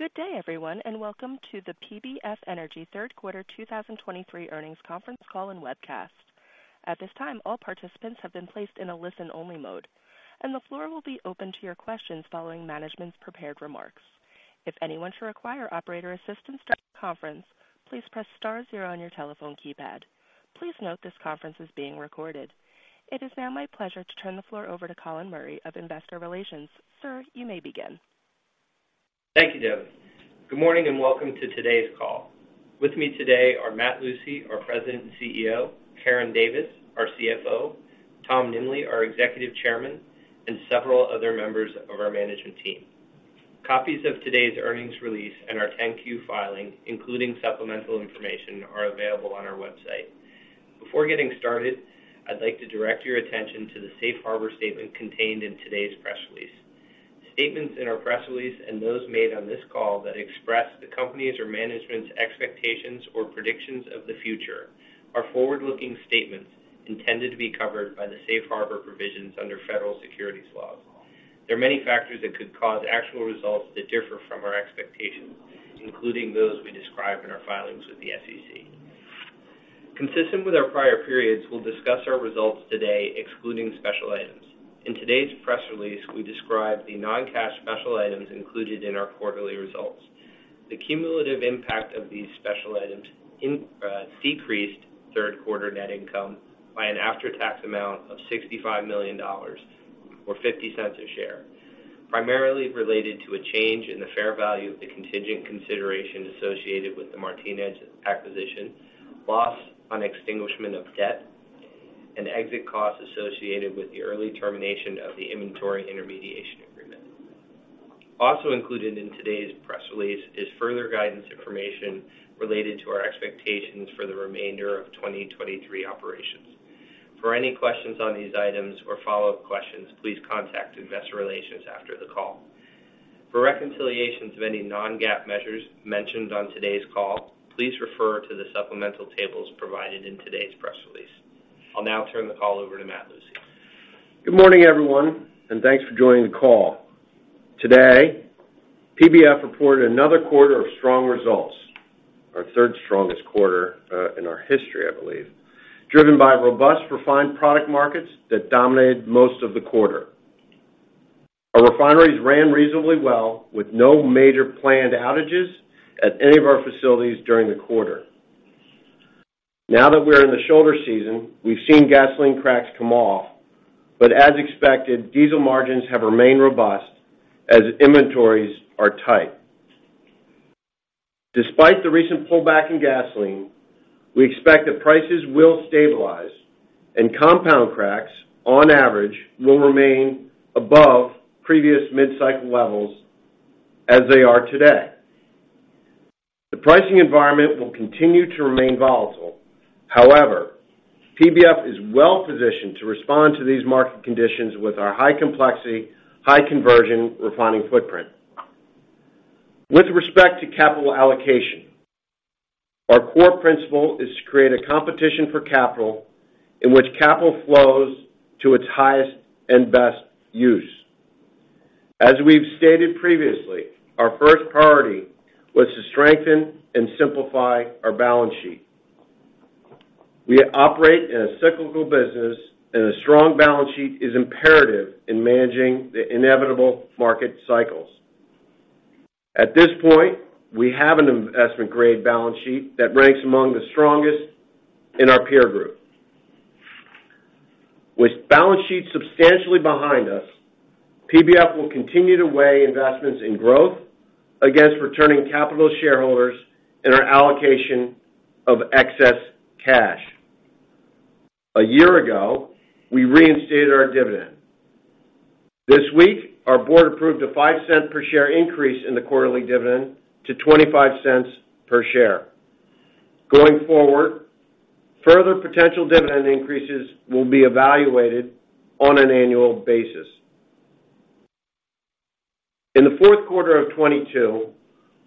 Good day, everyone, and welcome to the PBF Energy third quarter 2023 earnings conference call and webcast. At this time, all participants have been placed in a listen-only mode, and the floor will be open to your questions following management's prepared remarks. If anyone should require operator assistance during the conference, please press star zero on your telephone keypad. Please note, this conference is being recorded. It is now my pleasure to turn the floor over to Colin Murray of Investor Relations. Sir, you may begin. Thank you, Deb. Good morning, and welcome to today's call. With me today are Matt Lucey, our President and CEO; Karen Davis, our CFO; Tom Nimbley, our Executive Chairman, and several other members of our management team. Copies of today's earnings release and our 10-Q filing, including supplemental information, are available on our website. Before getting started, I'd like to direct your attention to the Safe Harbor statement contained in today's press release. Statements in our press release and those made on this call that express the company's or management's expectations or predictions of the future are forward-looking statements intended to be covered by the Safe Harbor provisions under federal securities laws. There are many factors that could cause actual results to differ from our expectations, including those we describe in our filings with the SEC. Consistent with our prior periods, we'll discuss our results today, excluding special items. In today's press release, we describe the non-cash special items included in our quarterly results. The cumulative impact of these special items in decreased third-quarter net income by an after-tax amount of $65 million, or $0.50 a share, primarily related to a change in the fair value of the contingent consideration associated with the Martinez acquisition, loss on extinguishment of debt, and exit costs associated with the early termination of the inventory intermediation agreement. Also included in today's press release is further guidance information related to our expectations for the remainder of 2023 operations. For any questions on these items or follow-up questions, please contact investor relations after the call. For reconciliations of any non-GAAP measures mentioned on today's call, please refer to the supplemental tables provided in today's press release. I'll now turn the call over to Matt Lucey. Good morning, everyone, and thanks for joining the call. Today, PBF reported another quarter of strong results, our third strongest quarter, in our history, I believe, driven by robust refined product markets that dominated most of the quarter. Our refineries ran reasonably well, with no major planned outages at any of our facilities during the quarter. Now that we're in the shoulder season, we've seen gasoline cracks come off, but as expected, diesel margins have remained robust as inventories are tight. Despite the recent pullback in gasoline, we expect that prices will stabilize and compound cracks, on average, will remain above previous mid-cycle levels as they are today. The pricing environment will continue to remain volatile. However, PBF is well-positioned to respond to these market conditions with our high-complexity, high-conversion refining footprint. With respect to capital allocation, our core principle is to create a competition for capital in which capital flows to its highest and best use. As we've stated previously, our first priority was to strengthen and simplify our balance sheet. We operate in a cyclical business, and a strong balance sheet is imperative in managing the inevitable market cycles. At this point, we have an investment-grade balance sheet that ranks among the strongest in our peer group. With balance sheets substantially behind us, PBF will continue to weigh investments in growth against returning capital to shareholders and our allocation of excess cash. A year ago, we reinstated our dividend. This week, our board approved a $0.05 per share increase in the quarterly dividend to $0.25 per share. Going forward, further potential dividend increases will be evaluated on an annual basis. In the fourth quarter of 2022,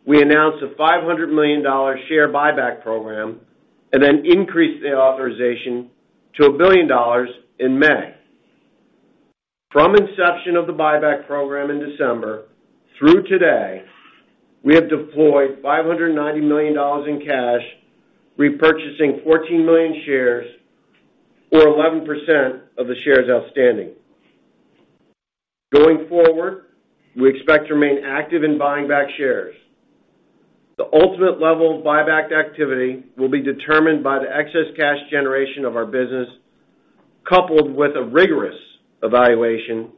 we announced a $500 million share buyback program and then increased the authorization to $1 billion in May. From inception of the buyback program in December through today, we have deployed $590 million in cash, repurchasing 14 million shares or 11% of the shares outstanding. Going forward, we expect to remain active in buying back shares. The ultimate level of buyback activity will be determined by the excess cash generation of our business, coupled with a rigorous evaluation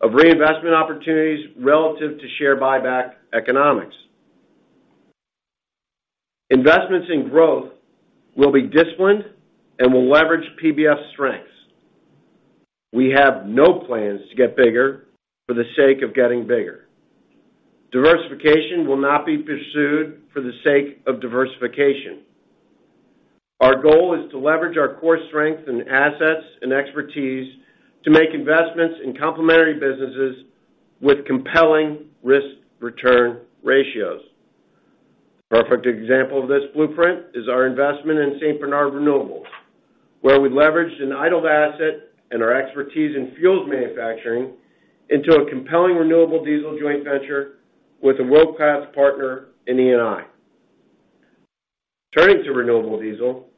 of reinvestment opportunities relative to share buyback economics. Investments in growth will be disciplined and will leverage PBF's strengths. We have no plans to get bigger for the sake of getting bigger. Diversification will not be pursued for the sake of diversification. Our goal is to leverage our core strengths and assets and expertise to make investments in complementary businesses with compelling risk-return ratios. Perfect example of this blueprint is our investment in St. Bernard Renewables, where we leveraged an idled asset and our expertise in fuels manufacturing into a compelling renewable diesel joint venture with a world-class partner in Eni. Turning to renewable diesel,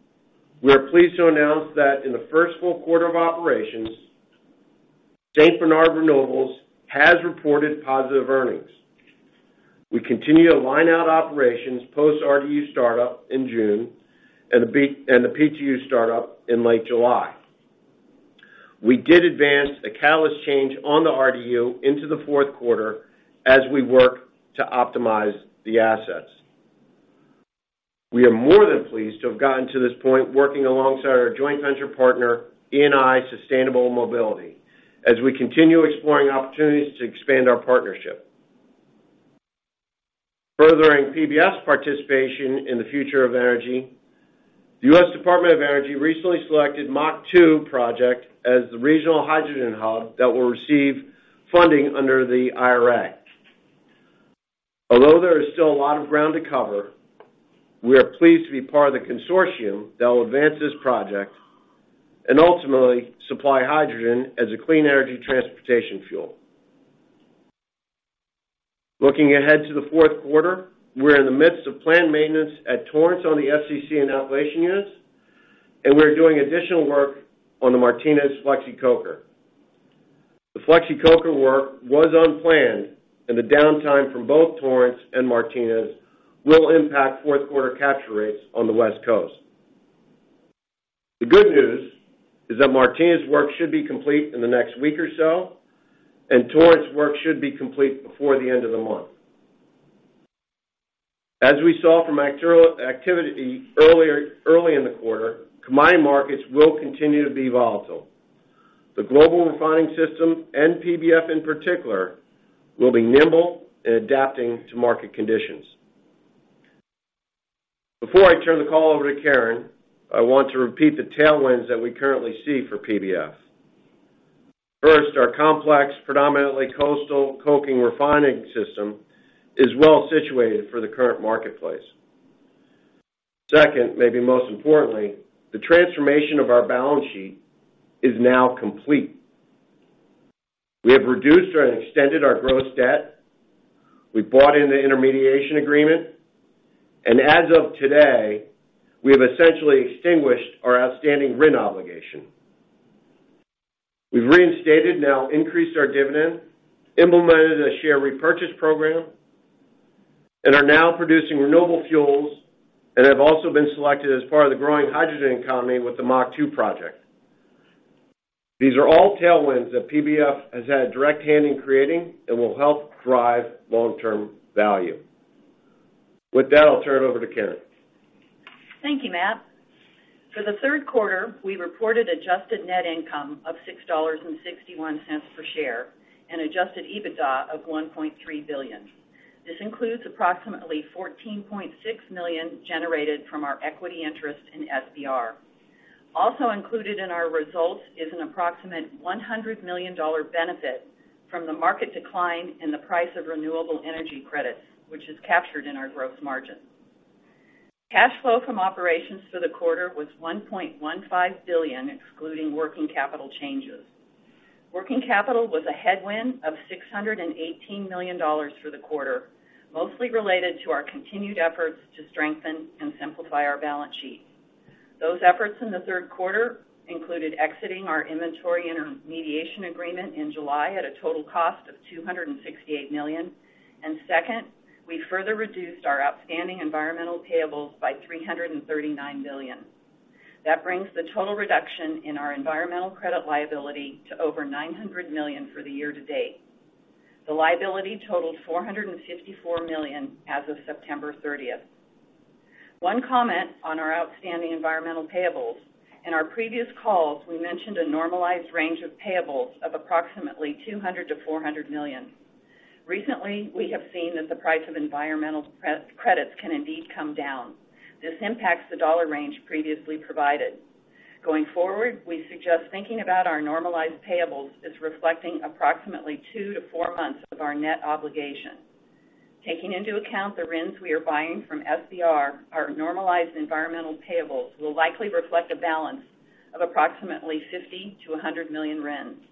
we are pleased to announce that in the first full quarter of operations, St. Bernard Renewables has reported positive earnings. We continue to line out operations post RDU startup in June and the PTU startup in late July. We did advance the catalyst change on the RDU into the fourth quarter as we work to optimize the assets. We are more than pleased to have gotten to this point working alongside our joint venture partner, Eni Sustainable Mobility, as we continue exploring opportunities to expand our partnership. Furthering PBF's participation in the future of energy, the U.S. Department of Energy recently selected MACH2 project as the regional hydrogen hub that will receive funding under the IRA. Although there is still a lot of ground to cover, we are pleased to be part of the consortium that will advance this project and ultimately supply hydrogen as a clean energy transportation fuel. Looking ahead to the fourth quarter, we're in the midst of planned maintenance at Torrance on the FCC and alkylation units, and we're doing additional work on the Martinez Flexicoker. The Flexicoker work was unplanned, and the downtime from both Torrance and Martinez will impact fourth quarter capture rates on the West Coast. The good news is that Martinez work should be complete in the next week or so, and Torrance work should be complete before the end of the month. As we saw from material activity early in the quarter, combined markets will continue to be volatile. The global refining system, and PBF in particular, will be nimble in adapting to market conditions. Before I turn the call over to Karen, I want to repeat the tailwinds that we currently see for PBF. First, our complex, predominantly coastal coking refining system is well situated for the current marketplace. Second, maybe most importantly, the transformation of our balance sheet is now complete. We have reduced and extended our gross debt, we've brought in the intermediation agreement, and as of today, we have essentially extinguished our outstanding RIN obligation. We've reinstated, now increased our dividend, implemented a share repurchase program, and are now producing renewable fuels and have also been selected as part of the growing hydrogen economy with the MACH2 project. These are all tailwinds that PBF has had a direct hand in creating and will help drive long-term value. With that, I'll turn it over to Karen. Thank you, Matt. For the third quarter, we reported adjusted net income of $6.61 per share and adjusted EBITDA of $1.3 billion. This includes approximately $14.6 million generated from our equity interest in SBR. Also included in our results is an approximate $100 million benefit from the market decline in the price of renewable energy credits, which is captured in our gross margin. Cash flow from operations for the quarter was $1.15 billion, excluding working capital changes. Working capital was a headwind of $618 million for the quarter, mostly related to our continued efforts to strengthen and simplify our balance sheet. Those efforts in the third quarter included exiting our inventory intermediation agreement in July at a total cost of $268 million. Second, we further reduced our outstanding environmental payables by $339 million. That brings the total reduction in our environmental credit liability to over $900 million for the year to date. The liability totaled $454 million as of September 30. One comment on our outstanding environmental payables. In our previous calls, we mentioned a normalized range of payables of approximately $200 million-$400 million. Recently, we have seen that the price of environmental credits can indeed come down. This impacts the dollar range previously provided. Going forward, we suggest thinking about our normalized payables as reflecting approximately two to four months of our net obligation. Taking into account the RINs we are buying from SBR, our normalized environmental payables will likely reflect a balance of approximately 50 million-100 million RINs.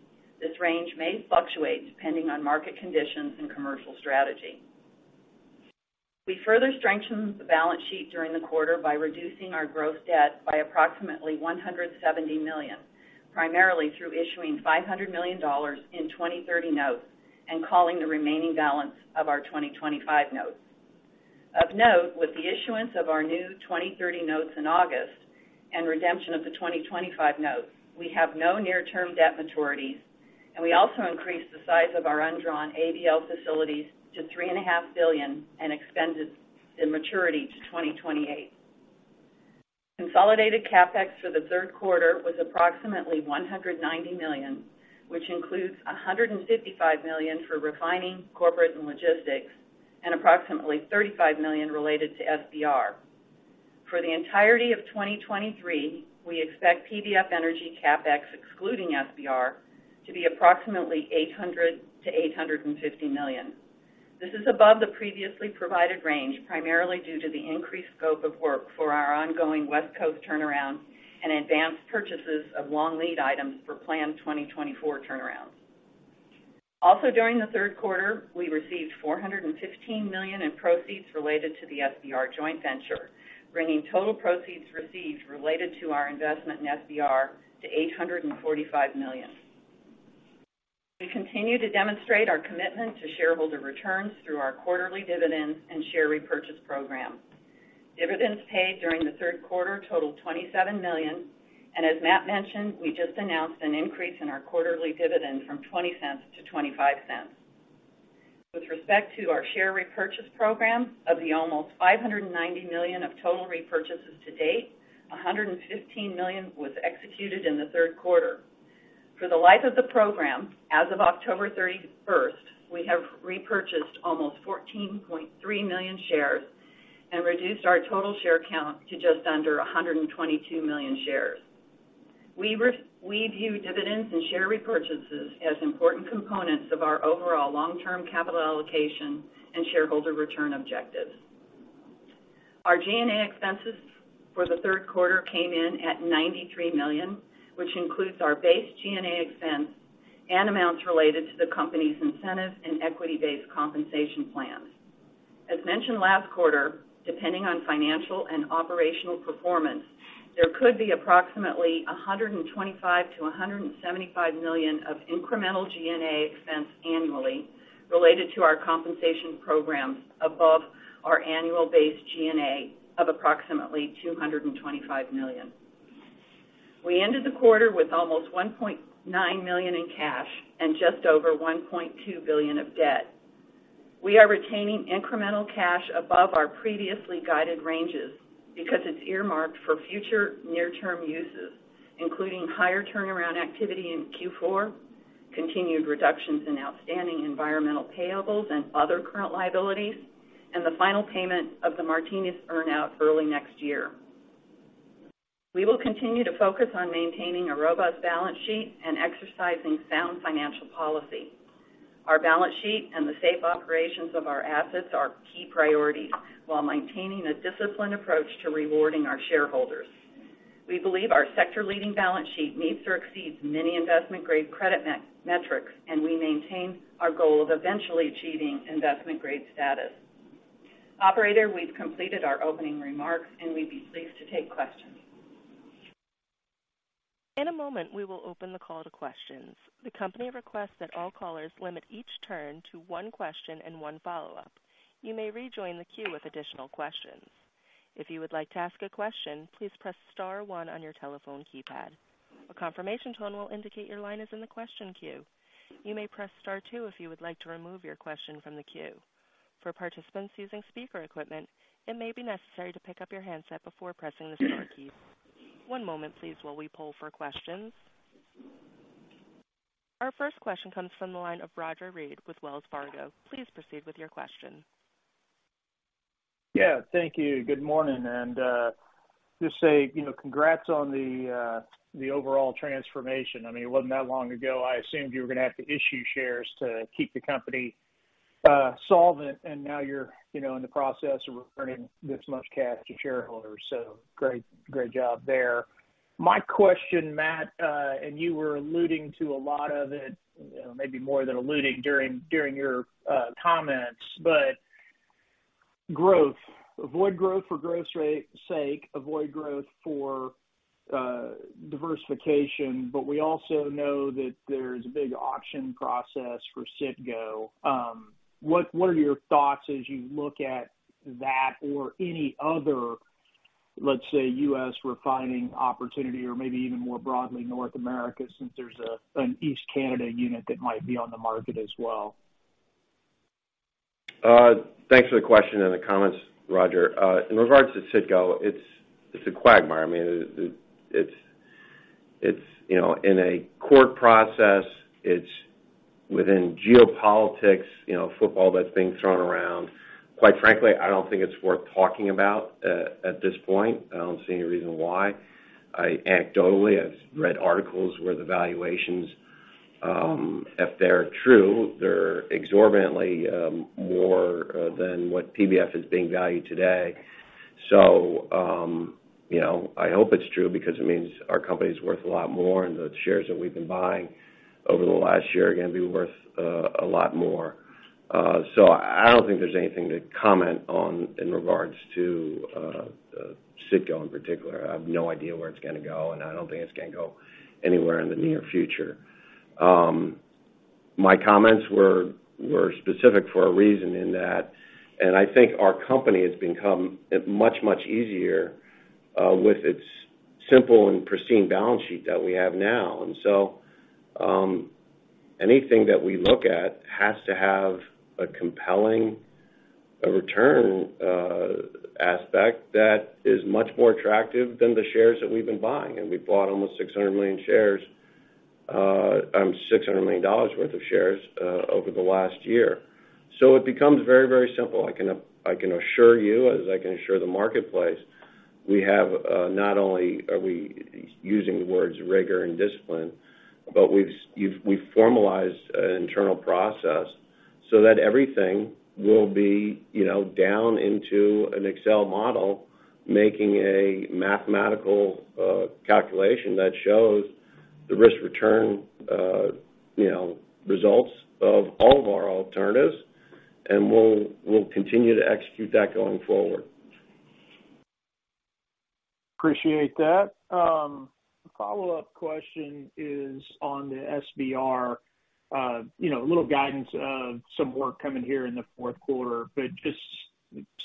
This range may fluctuate depending on market conditions and commercial strategy. We further strengthened the balance sheet during the quarter by reducing our gross debt by approximately $170 million, primarily through issuing $500 million in 2030 notes and calling the remaining balance of our 2025 notes. Of note, with the issuance of our new 2030 notes in August and redemption of the 2025 notes, we have no near-term debt maturities, and we also increased the size of our undrawn ABL facilities to $3.5 billion and extended the maturity to 2028. Consolidated CapEx for the third quarter was approximately $190 million, which includes $155 million for refining, corporate, and logistics, and approximately $35 million related to SBR. For the entirety of 2023, we expect PBF Energy CapEx, excluding SBR, to be approximately $800 million-$850 million. This is above the previously provided range, primarily due to the increased scope of work for our ongoing West Coast turnaround and advanced purchases of long lead items for planned 2024 turnarounds. Also, during the third quarter, we received $415 million in proceeds related to the SBR joint venture, bringing total proceeds received related to our investment in SBR to $845 million. We continue to demonstrate our commitment to shareholder returns through our quarterly dividends and share repurchase program. Dividends paid during the third quarter totaled $27 million, and as Matt mentioned, we just announced an increase in our quarterly dividend from $0.20 to $0.25. With respect to our share repurchase program, of the almost $590 million of total repurchases to date, $115 million was executed in the third quarter. For the life of the program, as of October 31st, we have repurchased almost 14.3 million shares and reduced our total share count to just under 122 million shares. We view dividends and share repurchases as important components of our overall long-term capital allocation and shareholder return objectives. Our G&A expenses for the third quarter came in at $93 million, which includes our base G&A expense and amounts related to the company's incentive and equity-based compensation plans. As mentioned last quarter, depending on financial and operational performance, there could be approximately $125 million-$175 million of incremental G&A expense annually related to our compensation programs above our annual base G&A of approximately $225 million. We ended the quarter with almost $1.9 million in cash and just over $1.2 billion of debt. We are retaining incremental cash above our previously guided ranges because it's earmarked for future near-term uses, including higher turnaround activity in Q4, continued reductions in outstanding environmental payables and other current liabilities, and the final payment of the Martinez earn out early next year. We will continue to focus on maintaining a robust balance sheet and exercising sound financial policy. Our balance sheet and the safe operations of our assets are key priorities, while maintaining a disciplined approach to rewarding our shareholders. We believe our sector-leading balance sheet meets or exceeds many investment-grade credit metrics, and we maintain our goal of eventually achieving investment-grade status. Operator, we've completed our opening remarks, and we'd be pleased to take questions. In a moment, we will open the call to questions. The company requests that all callers limit each turn to one question and one follow-up. You may rejoin the queue with additional questions. If you would like to ask a question, please press star one on your telephone keypad. A confirmation tone will indicate your line is in the question queue. You may press star two if you would like to remove your question from the queue. For participants using speaker equipment, it may be necessary to pick up your handset before pressing the star keys. One moment, please, while we poll for questions. Our first question comes from the line of Roger Read with Wells Fargo. Please proceed with your question. Yeah, thank you. Good morning, and, just say, you know, congrats on the, the overall transformation. I mean, it wasn't that long ago I assumed you were gonna have to issue shares to keep the company, solvent, and now you're, you know, in the process of returning this much cash to shareholders. So great, great job there. My question, Matt, and you were alluding to a lot of it, you know, maybe more than alluding during, during your, comments, but growth. Avoid growth for growth rate's sake, avoid growth for, diversification, but we also know that there's a big auction process for Citgo. What, what are your thoughts as you look at that or any other, let's say, U.S. refining opportunity, or maybe even more broadly, North America, since there's a, an East Canada unit that might be on the market as well? Thanks for the question and the comments, Roger. In regards to Citgo, it's a quagmire. I mean, it's you know, in a court process, it's within geopolitics, you know, football that's being thrown around. Quite frankly, I don't think it's worth talking about at this point. I don't see any reason why. Anecdotally, I've read articles where the valuations, if they're true, they're exorbitantly more than what PBF is being valued today. So, you know, I hope it's true because it means our company's worth a lot more, and the shares that we've been buying over the last year are gonna be worth a lot more. So I don't think there's anything to comment on in regards to Citgo in particular. I have no idea where it's gonna go, and I don't think it's gonna go anywhere in the near future. My comments were specific for a reason in that, and I think our company has become much, much easier with its simple and pristine balance sheet that we have now. So anything that we look at has to have a compelling return aspect that is much more attractive than the shares that we've been buying, and we've bought almost 600 million shares. $600 million worth of shares over the last year. It becomes very, very simple. I can assure you, as I can assure the marketplace, we have not only are we using the words rigor and discipline, but we've formalized an internal process so that everything will be, you know, down into an Excel model, making a mathematical calculation that shows the risk-return, you know, results of all of our alternatives, and we'll continue to execute that going forward. Appreciate that. Follow-up question is on the SBR. You know, a little guidance of some work coming here in the fourth quarter. But just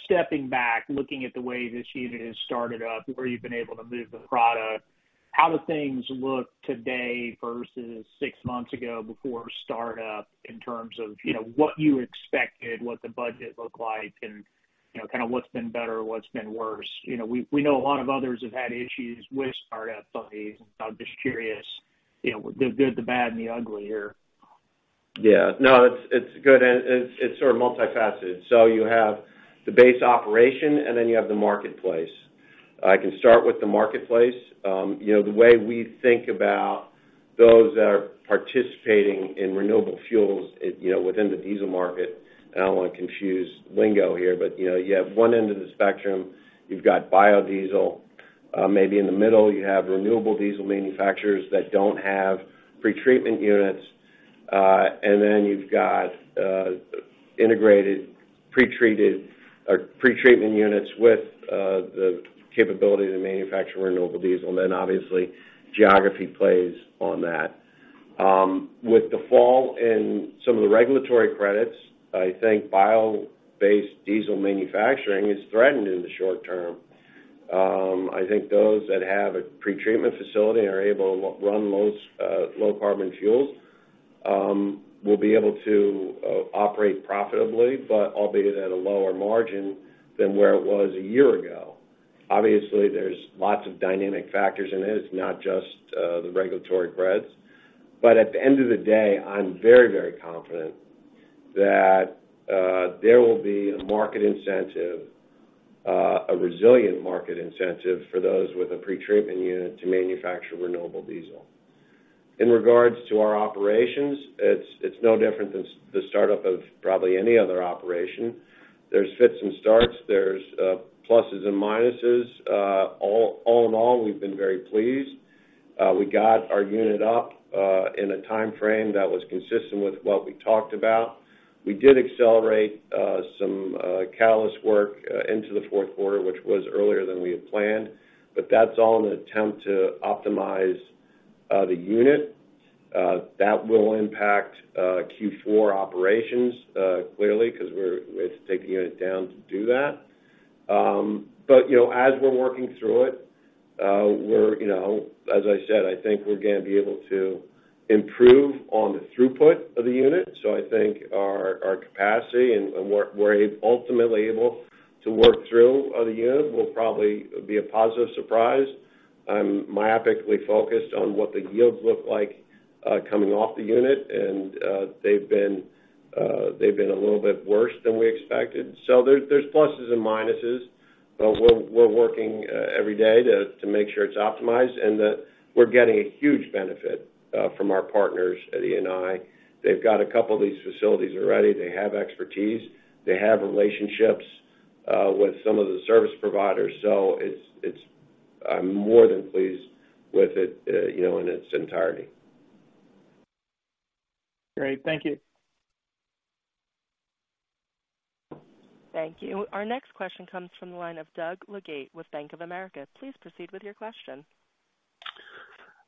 stepping back, looking at the way this unit has started up, where you've been able to move the product, how do things look today versus six months ago before startup, in terms of, you know, what you expected, what the budget looked like, and, you know, kind of what's been better, what's been worse? You know, we know a lot of others have had issues with start-ups, so I'm just curious, you know, the good, the bad, and the ugly here. Yeah. No, it's good, and it's sort of multifaceted. So you have the base operation, and then you have the marketplace. I can start with the marketplace. You know, the way we think about those that are participating in renewable fuels, it, you know, within the diesel market, I don't want to confuse lingo here, but, you know, you have one end of the spectrum, you've got biodiesel. Maybe in the middle, you have renewable diesel manufacturers that don't have pretreatment units. And then you've got integrated, pretreated or pretreatment units with the capability to manufacture renewable diesel. And then, obviously, geography plays on that. With the fall in some of the regulatory credits, I think bio-based diesel manufacturing is threatened in the short term. I think those that have a pretreatment facility and are able to run low carbon fuels will be able to operate profitably, but albeit at a lower margin than where it was a year ago. Obviously, there's lots of dynamic factors in it. It's not just the regulatory credits. But at the end of the day, I'm very, very confident that there will be a market incentive, a resilient market incentive for those with a pretreatment unit to manufacture renewable diesel. In regards to our operations, it's no different than the startup of probably any other operation. There's fits and starts. There's pluses and minuses. All in all, we've been very pleased. We got our unit up in a time frame that was consistent with what we talked about. We did accelerate some catalyst work into the fourth quarter, which was earlier than we had planned, but that's all in an attempt to optimize the unit. That will impact Q4 operations clearly, because we're—we have to take the unit down to do that. But, you know, as we're working through it, we're, you know... As I said, I think we're going to be able to improve on the throughput of the unit. So I think our, our capacity and, and we're, we're ultimately able to work through the unit will probably be a positive surprise. I'm myopically focused on what the yields look like coming off the unit, and they've been a little bit worse than we expected. So there's pluses and minuses, but we're working every day to make sure it's optimized and that we're getting a huge benefit from our partners at Eni. They've got a couple of these facilities already. They have expertise. They have relationships with some of the service providers. So it's—I'm more than pleased with it, you know, in its entirety. Great. Thank you. Thank you. Our next question comes from the line of Doug Leggate with Bank of America. Please proceed with your question.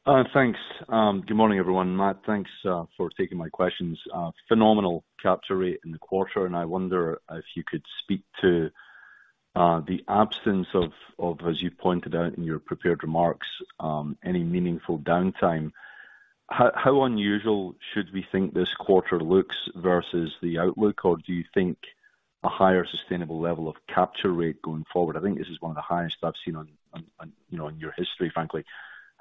Thanks. Good morning, everyone. Matt, thanks for taking my questions. Phenomenal capture rate in the quarter, and I wonder if you could speak to the absence of, as you pointed out in your prepared remarks, any meaningful downtime. How unusual should we think this quarter looks versus the outlook? Or do you think a higher sustainable level of capture rate going forward? I think this is one of the highest I've seen on, you know, on your history, frankly.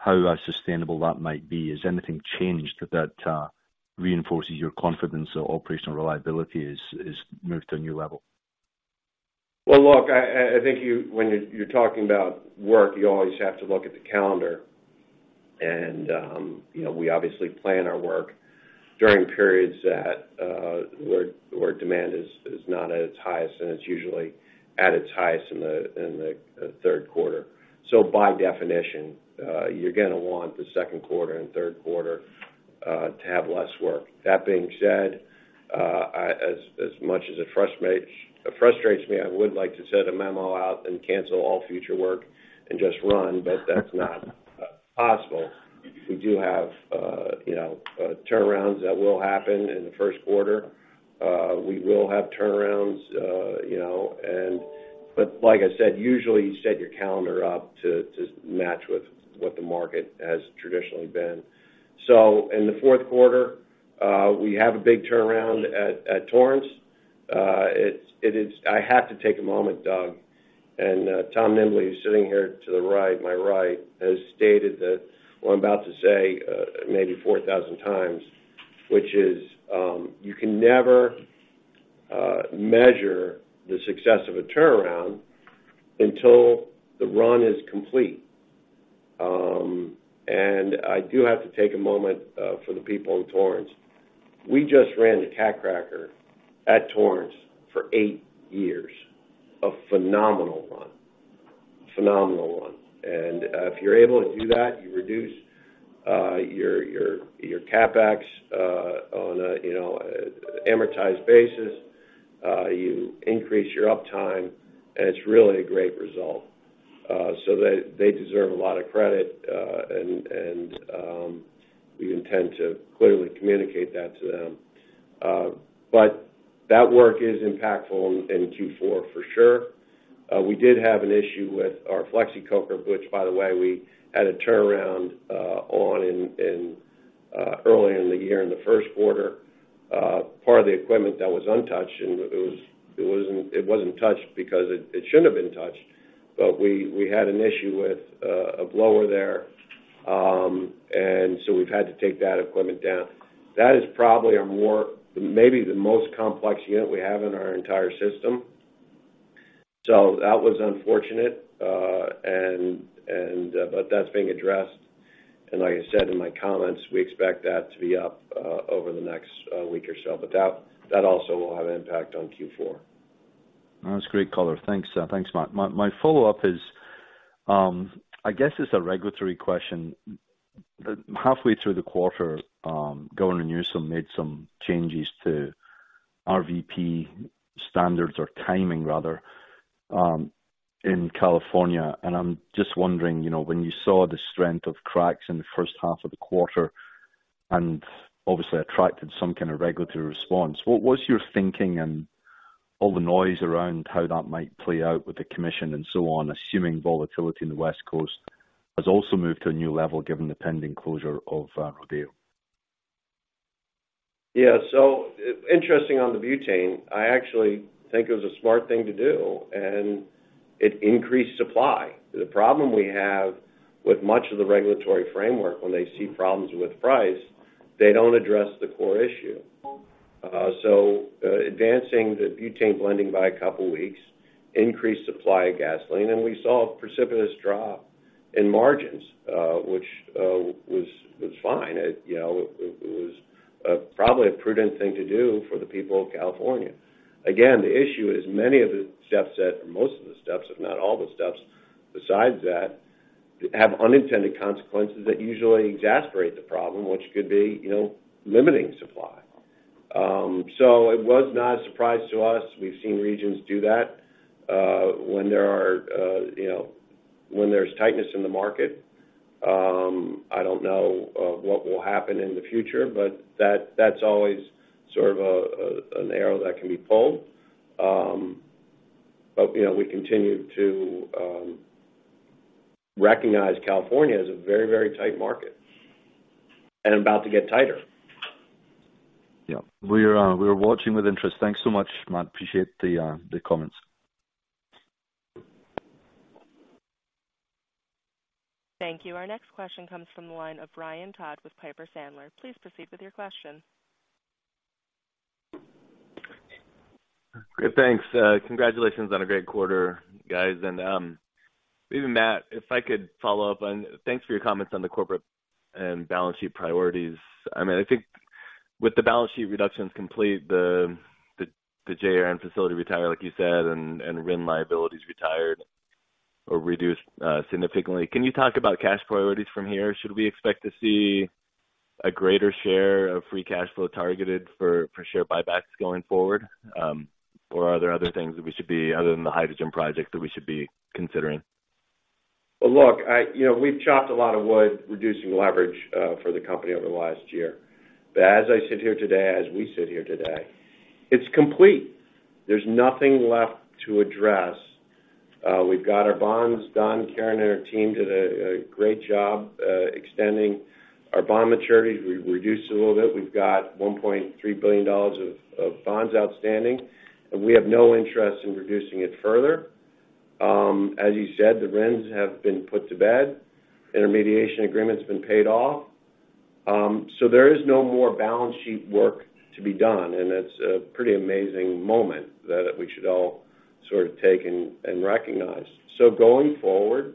How sustainable that might be? Has anything changed that reinforces your confidence that operational reliability is moved to a new level? Well, look, I think you-- when you're talking about work, you always have to look at the calendar. And, you know, we obviously plan our work during periods that where demand is not at its highest, and it's usually at its highest in the third quarter. So by definition, you're gonna want the second quarter and third quarter to have less work. That being said, I-- as much as it frustrates me, I would like to send a memo out and cancel all future work and just run, but that's not possible. We do have, you know, turnarounds that will happen in the first quarter. We will have turnarounds, you know, but like I said, usually you set your calendar up to match with what the market has traditionally been. So in the fourth quarter, we have a big turnaround at Torrance. I have to take a moment, Doug. Tom Nimbley, who's sitting here to the right, my right, has stated that what I'm about to say maybe 4,000 times, which is, you can never measure the success of a turnaround until the run is complete. I do have to take a moment for the people in Torrance. We just ran the cat cracker at Torrance for eight years, a phenomenal run. Phenomenal run. If you're able to do that, you reduce your CapEx on a, you know, amortized basis, you increase your uptime, and it's really a great result. They deserve a lot of credit, and we intend to clearly communicate that to them. That work is impactful in Q4 for sure. We did have an issue with our Flexicoker, which, by the way, we had a turnaround on earlier in the year, in the first quarter. Part of the equipment that was untouched, and it wasn't touched because it shouldn't have been touched. We had an issue with a blower there, and so we've had to take that equipment down. That is probably our more, maybe the most complex unit we have in our entire system. So that was unfortunate, but that's being addressed. And like I said in my comments, we expect that to be up over the next week or so, but that also will have an impact on Q4. That's great color. Thanks, thanks, Matt. My, my follow-up is, I guess it's a regulatory question. Halfway through the quarter, Governor Newsom made some changes to RVP standards or timing rather, in California. I'm just wondering, you know, when you saw the strength of cracks in the first half of the quarter and obviously attracted some kind of regulatory response, what was your thinking and all the noise around how that might play out with the commission and so on, assuming volatility in the West Coast has also moved to a new level given the pending closure of, Rodeo? Yeah, so interesting on the butane, I actually think it was a smart thing to do, and it increased supply. The problem we have with much of the regulatory framework, when they see problems with price, they don't address the core issue. Advancing the butane blending by a couple of weeks increased supply of gasoline, and we saw a precipitous drop in margins, which was fine. It, you know, it was probably a prudent thing to do for the people of California. Again, the issue is many of the steps that—most of the steps, if not all the steps besides that, have unintended consequences that usually exacerbate the problem, which could be, you know, limiting supply. So it was not a surprise to us. We've seen regions do that, when there are, you know, when there's tightness in the market. I don't know what will happen in the future, but that's always sort of an arrow that can be pulled. But you know, we continue to recognize California as a very, very tight market and about to get tighter. Yeah, we're watching with interest. Thanks so much, Matt. Appreciate the comments. Thank you. Our next question comes from the line of Ryan Todd with Piper Sandler. Please proceed with your question. Great. Thanks. Congratulations on a great quarter, guys. And maybe Matt, if I could follow up on—thanks for your comments on the corporate and balance sheet priorities. I mean, I think with the balance sheet reductions complete, the ABL facility retired, like you said, and RIN liabilities retired or reduced significantly. Can you talk about cash priorities from here? Should we expect to see a greater share of free cash flow targeted for share buybacks going forward? Or are there other things that we should be, other than the hydrogen project, that we should be considering? Well, look, I—you know, we've chopped a lot of wood, reducing leverage for the company over the last year. But as I sit here today, as we sit here today, it's complete. There's nothing left to address. We've got our bonds. Don, Karen, and our team did a great job extending our bond maturities. We reduced it a little bit. We've got $1.3 billion of bonds outstanding, and we have no interest in reducing it further. As you said, the RINs have been put to bed. Intermediation agreement's been paid off. So there is no more balance sheet work to be done, and it's a pretty amazing moment that we should all sort of take and recognize. So going forward,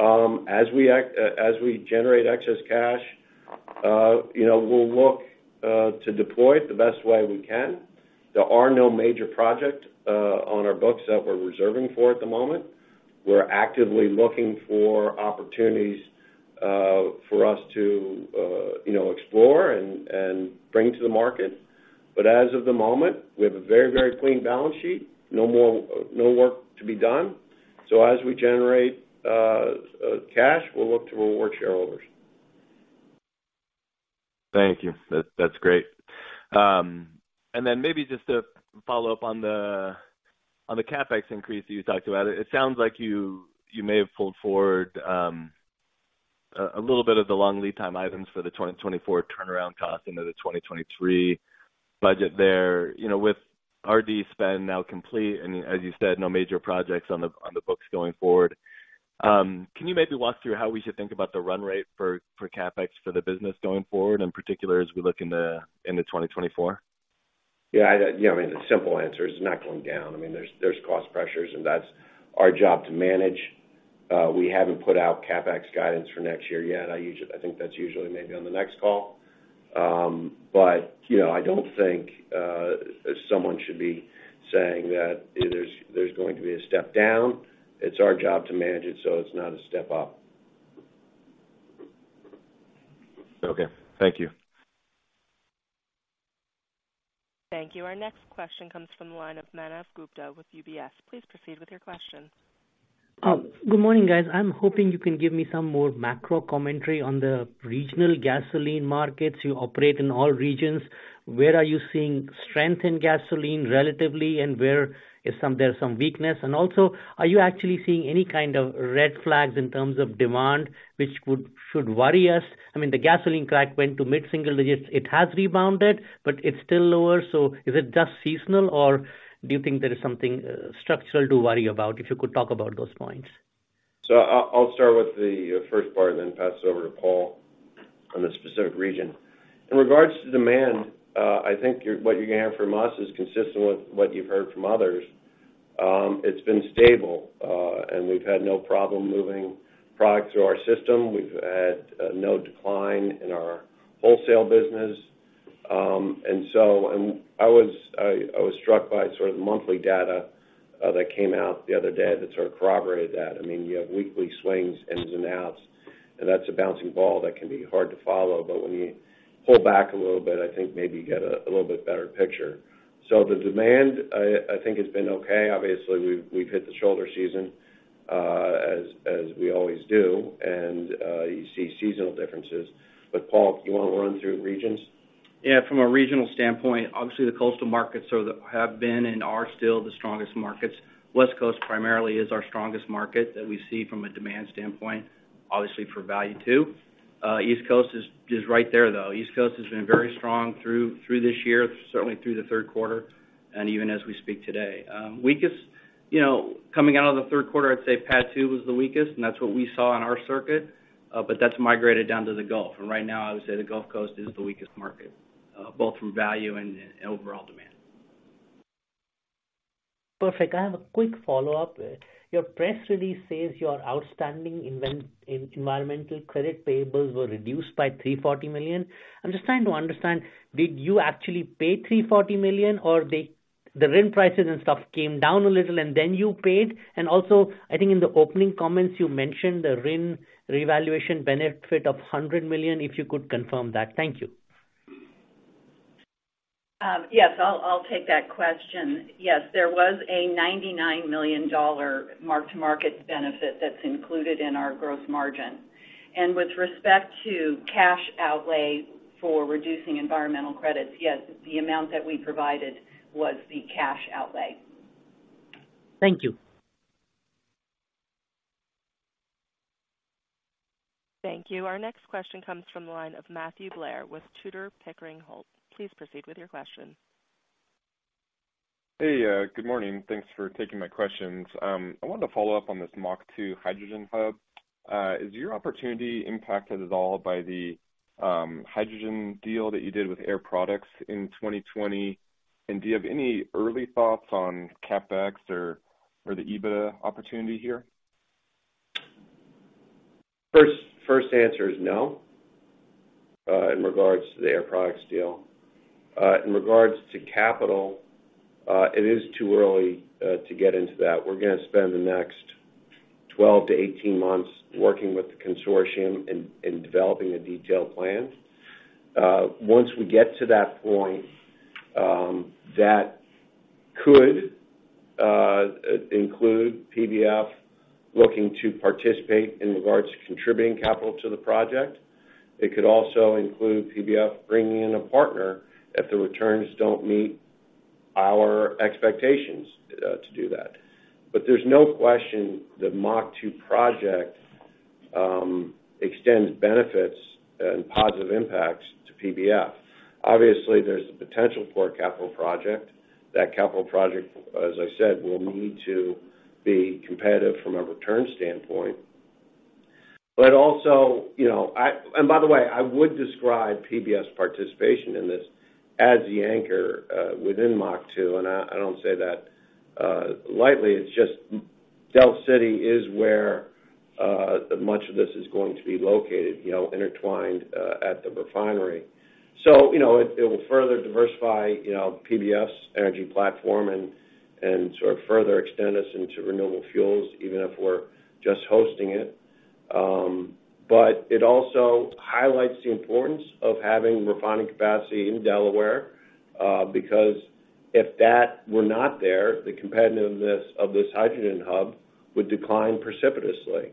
as we generate excess cash, you know, we'll look to deploy it the best way we can. There are no major project on our books that we're reserving for at the moment. We're actively looking for opportunities for us to, you know, explore and bring to the market. But as of the moment, we have a very, very clean balance sheet, no more no work to be done. So as we generate cash, we'll look to reward shareholders. Thank you. That, that's great. And then maybe just to follow up on the, on the CapEx increase that you talked about. It sounds like you, you may have pulled forward, ... a little bit of the long lead time items for the 2024 turnaround costs into the 2023 budget there. You know, with RD spend now complete, and as you said, no major projects on the books going forward, can you maybe walk through how we should think about the run rate for CapEx for the business going forward, in particular, as we look into 2024? Yeah, you know, I mean, the simple answer is it's not going down. I mean, there's cost pressures, and that's our job to manage. We haven't put out CapEx guidance for next year yet. I think that's usually maybe on the next call. But, you know, I don't think someone should be saying that there's going to be a step down. It's our job to manage it so it's not a step up. Okay, thank you. Thank you. Our next question comes from the line of Manav Gupta with UBS. Please proceed with your question. Good morning, guys. I'm hoping you can give me some more macro commentary on the regional gasoline markets. You operate in all regions. Where are you seeing strength in gasoline relatively, and where there's some weakness? And also, are you actually seeing any kind of red flags in terms of demand, which should worry us? I mean, the gasoline crack went to mid-single digits. It has rebounded, but it's still lower, so is it just seasonal, or do you think there is something structural to worry about? If you could talk about those points. So I'll start with the first part and then pass it over to Paul on the specific region. In regards to demand, I think what you're going to hear from us is consistent with what you've heard from others. It's been stable, and we've had no problem moving product through our system. We've had no decline in our wholesale business. And I was struck by sort of the monthly data that came out the other day that sort of corroborated that. I mean, you have weekly swings, ins and outs, and that's a bouncing ball that can be hard to follow. But when you pull back a little bit, I think maybe you get a little bit better picture. So the demand, I think, has been okay. Obviously, we've hit the shoulder season, as we always do, and you see seasonal differences. But Paul, you want to run through regions? Yeah, from a regional standpoint, obviously, the coastal markets are the-- have been and are still the strongest markets. West Coast, primarily, is our strongest market that we see from a demand standpoint, obviously, for value, too. East Coast is, is right there, though. East Coast has been very strong through, through this year, certainly through the third quarter and even as we speak today. Weakest, you know, coming out of the third quarter, I'd say PADD 2 was the weakest, and that's what we saw on our circuit, but that's migrated down to the Gulf. And right now, I would say the Gulf Coast is the weakest market, both from value and, and overall demand. Perfect. I have a quick follow-up. Your press release says your outstanding environmental credit payables were reduced by $340 million. I'm just trying to understand, did you actually pay $340 million, or the, the RIN prices and stuff came down a little, and then you paid? And also, I think in the opening comments, you mentioned the RIN revaluation benefit of $100 million, if you could confirm that. Thank you. Yes, I'll take that question. Yes, there was a $99 million mark-to-market benefit that's included in our gross margin. With respect to cash outlay for reducing environmental credits, yes, the amount that we provided was the cash outlay. Thank you. Thank you. Our next question comes from the line of Matthew Blair with Tudor, Pickering, Holt. Please proceed with your question. Hey, good morning, and thanks for taking my questions. I wanted to follow up on this MACH2 hydrogen hub. Is your opportunity impacted at all by the hydrogen deal that you did with Air Products in 2020? And do you have any early thoughts on CapEx or the EBITDA opportunity here? First answer is no in regards to the Air Products deal. In regards to capital, it is too early to get into that. We're gonna spend the next 12-18 months working with the consortium and developing a detailed plan. Once we get to that point, that could include PBF looking to participate in regards to contributing capital to the project. It could also include PBF bringing in a partner if the returns don't meet our expectations to do that. But there's no question the MACH2 project extends benefits and positive impacts to PBF. Obviously, there's the potential for a capital project. That capital project, as I said, will need to be competitive from a return standpoint. But also, you know, and by the way, I would describe PBF's participation in this as the anchor within MACH2, and I don't say that lightly. It's just Delaware City is where much of this is going to be located, you know, intertwined at the refinery. So, you know, it will further diversify, you know, PBF's energy platform and sort of further extend us into renewable fuels, even if we're just hosting it. But it also highlights the importance of having refining capacity in Delaware, because if that were not there, the competitiveness of this hydrogen hub would decline precipitously.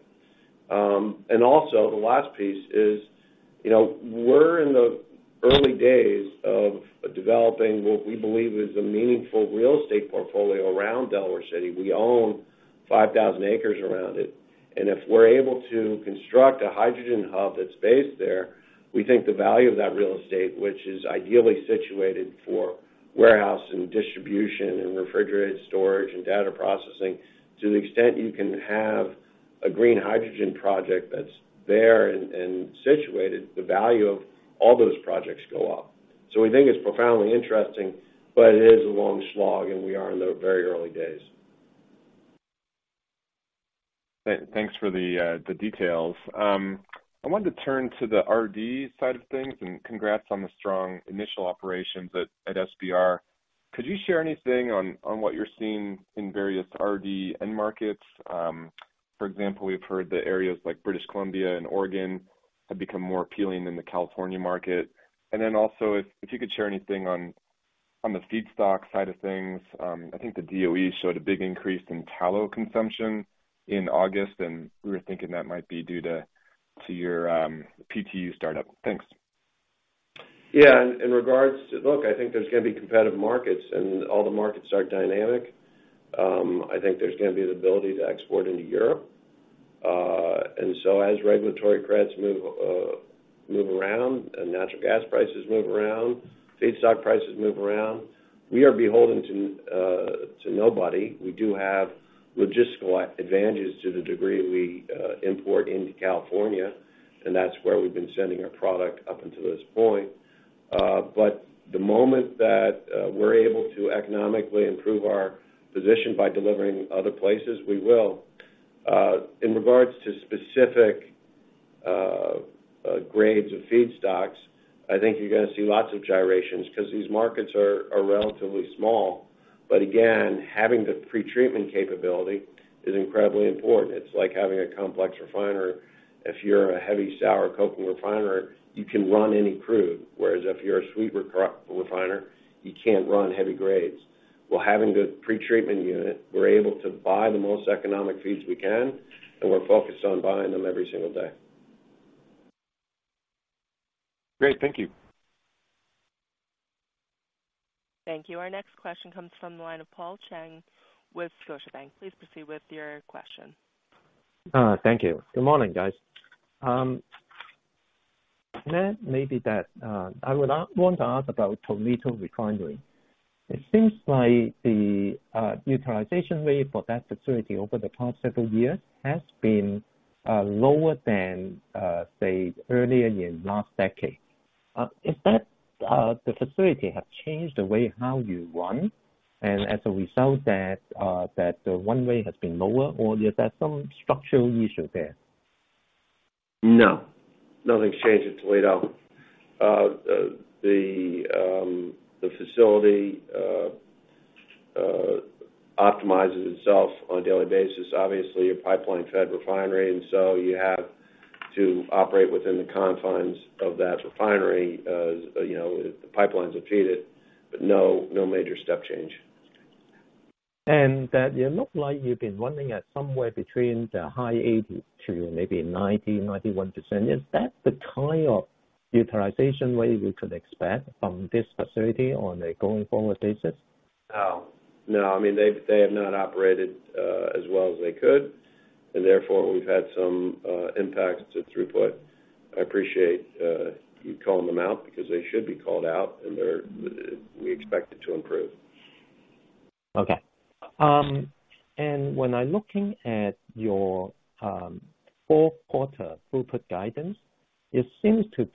And also, the last piece is. You know, we're in the early days of developing what we believe is a meaningful real estate portfolio around Delaware City. We own 5,000 acres around it, and if we're able to construct a hydrogen hub that's based there, we think the value of that real estate, which is ideally situated for warehouse and distribution and refrigerated storage and data processing, to the extent you can have a green hydrogen project that's there and, and situated, the value of all those projects go up. So we think it's profoundly interesting, but it is a long slog, and we are in the very early days. Thanks for the details. I wanted to turn to the RD side of things, and congrats on the strong initial operations at SBR. Could you share anything on what you're seeing in various RD end markets? For example, we've heard that areas like British Columbia and Oregon have become more appealing than the California market. And then also, if you could share anything on the feedstock side of things. I think the DOE showed a big increase in tallow consumption in August, and we were thinking that might be due to your PTU startup. Thanks. Yeah, in regards to, look, I think there's gonna be competitive markets, and all the markets are dynamic. I think there's gonna be the ability to export into Europe. And so as regulatory credits move, move around and natural gas prices move around, feedstock prices move around, we are beholden to, to nobody. We do have logistical advantages to the degree we, import into California, and that's where we've been sending our product up until this point. But the moment that, we're able to economically improve our position by delivering other places, we will. In regards to specific, grades of feedstocks, I think you're gonna see lots of gyrations, because these markets are, are relatively small. But again, having the pretreatment capability is incredibly important. It's like having a complex refiner. If you're a heavy sour coke refiner, you can run any crude, whereas if you're a sweet refiner, you can't run heavy grades. Well, having the pretreatment unit, we're able to buy the most economic feeds we can, and we're focused on buying them every single day. Great. Thank you. Thank you. Our next question comes from the line of Paul Cheng with Scotiabank. Please proceed with your question. Thank you. Good morning, guys. Matt, maybe that, I would want to ask about Toledo Refinery. It seems like the utilization rate for that facility over the past several years has been lower than, say, earlier years, last decade. Is that the facility have changed the way how you run, and as a result, that the run rate has been lower, or is there some structural issue there? No, nothing's changed at Toledo. The facility optimizes itself on a daily basis, obviously, a pipeline-fed refinery, and so you have to operate within the confines of that refinery, you know, the pipelines that feed it, but no, no major step change. That you look like you've been running at somewhere between the high 80% to maybe 90%-91%. Is that the kind of utilization rate we could expect from this facility on a going forward basis? Oh, no. I mean, they have not operated as well as they could, and therefore, we've had some impacts to throughput. I appreciate you calling them out because they should be called out, and they're, we expect it to improve. Okay. And when I'm looking at your fourth quarter throughput guidance, it seems to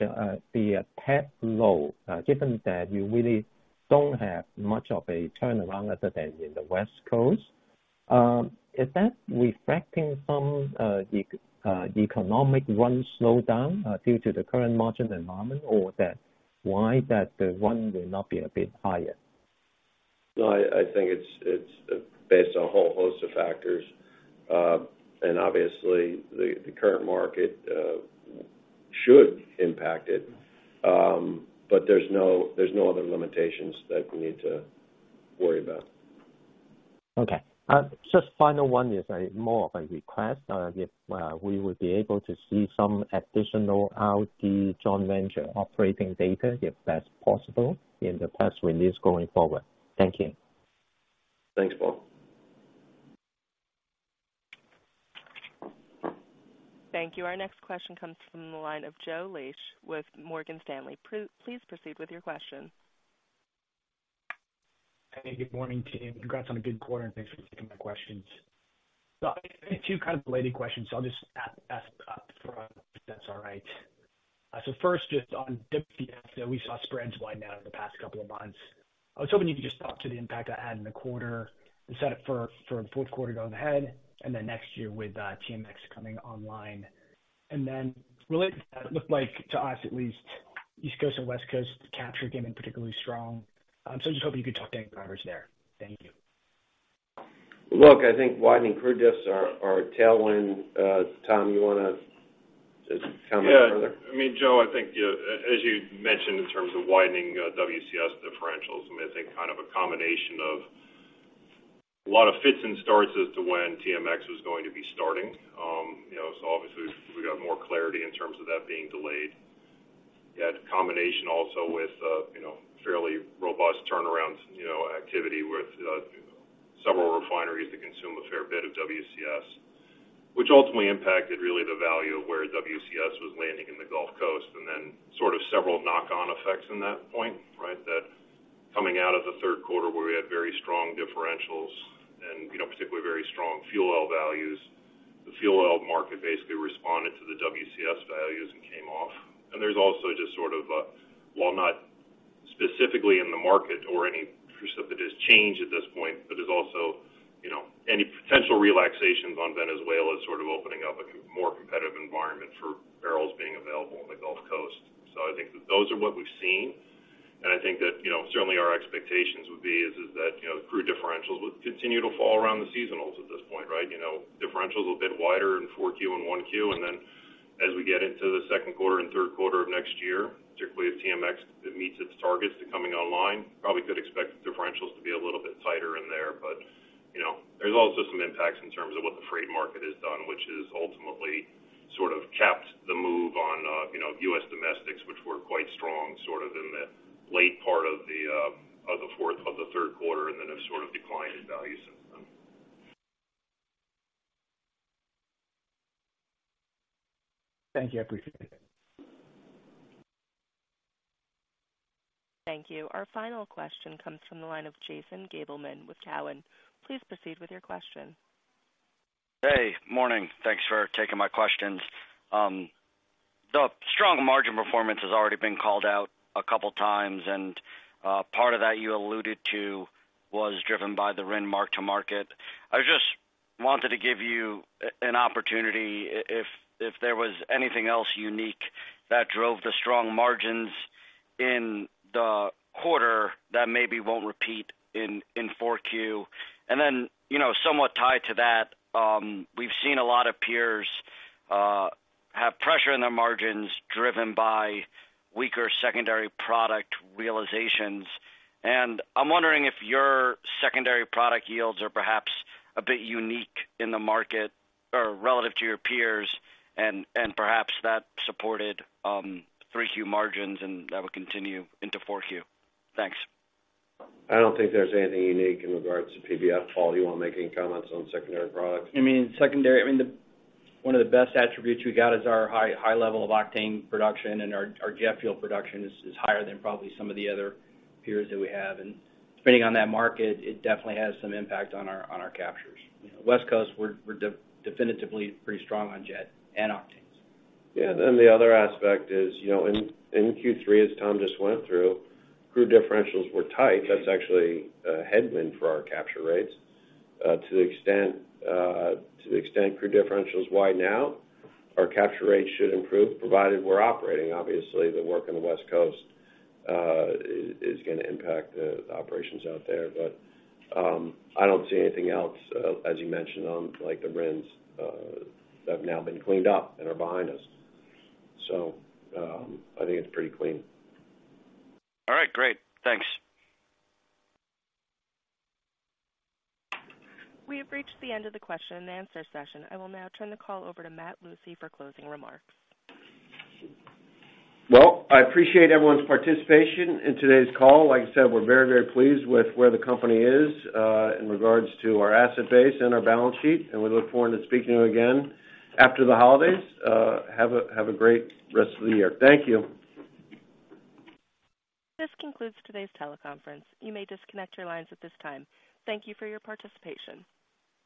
be a tad low, given that you really don't have much of a turnaround other than in the West Coast. Is that reflecting some economic run slowdown, due to the current margin environment, or that why that the run may not be a bit higher? No, I think it's based on a whole host of factors. And obviously, the current market should impact it. But there's no other limitations that we need to worry about. Okay. Just final one is more of a request. If we would be able to see some additional out the joint venture operating data, if that's possible, in the press release going forward. Thank you. Thanks, Paul. Thank you. Our next question comes from the line of Joe Laetsch with Morgan Stanley. Please proceed with your question. Hey, good morning, team. Congrats on a good quarter, and thanks for taking my questions. So I have two kind of related questions, so I'll just ask up front, if that's all right. So first, just on WCS, we saw spreads widen in the past couple of months. I was hoping you could just talk to the impact that had in the quarter, the setup for the fourth quarter going ahead, and then next year with TMX coming online? And then related to that, it looked like, to us at least, East Coast and West Coast capture given particularly strong. So just hope you could talk any drivers there? Thank you. Look, I think widening crude diffs are tailwind. Tom, you want to just comment further? Yeah. I mean, Joe, I think, as you mentioned, in terms of widening, WCS differentials, I think kind of a combination of- ...A lot of fits and starts as to when TMX was going to be starting. You know, so obviously, we got more clarity in terms of that being delayed. You had combination also with, you know, fairly robust turnaround, you know, activity with several refineries that consume a fair bit of WCS, which ultimately impacted really the value of where WCS was landing in the Gulf Coast, and then sort of several knock-on effects in that point, right? That coming out of the third quarter, where we had very strong differentials and, you know, particularly very strong fuel oil values. The fuel oil market basically responded to the WCS values and came off. There's also just sort of, while not specifically in the market or any precipitous change at this point, but there's also, you know, any potential relaxations on Venezuela sort of opening up a more competitive environment for barrels being available in the Gulf Coast. So I think that those are what we've seen, and I think that, you know, certainly our expectations would be is that, you know, the crude differentials would continue to fall around the seasonals at this point, right? You know, differentials a bit wider in 4Q and 1Q, and then as we get into the second quarter and third quarter of next year, particularly if TMX, it meets its targets to coming online, probably could expect differentials to be a little bit tighter in there. But, you know, there's also some impacts in terms of what the freight market has done, which is ultimately sort of capped the move on, you know, U.S. domestics, which were quite strong, sort of in the late part of the third quarter, and then have sort of declined in value since then. Thank you. I appreciate it. Thank you. Our final question comes from the line of Jason Gabelman with Cowen. Please proceed with your question. Hey, morning. Thanks for taking my questions. The strong margin performance has already been called out a couple times, and part of that you alluded to was driven by the RIN mark-to-market. I just wanted to give you an opportunity, if there was anything else unique that drove the strong margins in the quarter that maybe won't repeat in four Q? And then, you know, somewhat tied to that, we've seen a lot of peers have pressure in their margins, driven by weaker secondary product realizations. And I'm wondering if your secondary product yields are perhaps a bit unique in the market or relative to your peers, and perhaps that supported three Q margins, and that will continue into four Q? Thanks. I don't think there's anything unique in regards to PBF. Paul, you want to make any comments on secondary products? I mean, secondary, I mean, the one of the best attributes we got is our high, high level of octane production, and our, our jet fuel production is, is higher than probably some of the other peers that we have. And depending on that market, it definitely has some impact on our, on our captures. You know, West Coast, we're, we're definitively pretty strong on jet and octanes. Yeah, and then the other aspect is, you know, in Q3, as Tom just went through, crude differentials were tight. That's actually a headwind for our capture rates. To the extent, to the extent crude differentials wide now, our capture rates should improve, provided we're operating. Obviously, the work on the West Coast is gonna impact the operations out there. But, I don't see anything else, as you mentioned, on like the RINs that have now been cleaned up and are behind us. So, I think it's pretty clean. All right, great. Thanks. We have reached the end of the question and answer session. I will now turn the call over to Matt Lucey for closing remarks. Well, I appreciate everyone's participation in today's call. Like I said, we're very, very pleased with where the company is, in regards to our asset base and our balance sheet, and we look forward to speaking to you again after the holidays. Have a great rest of the year. Thank you. This concludes today's teleconference. You may disconnect your lines at this time. Thank you for your participation.